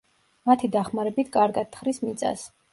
მათი დახმარებით კარგად თხრის მიწას.